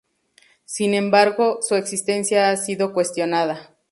Sin embargo, su existencia ha sido cuestionada.